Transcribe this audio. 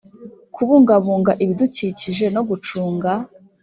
kubungabunga ibidukikije no gucunga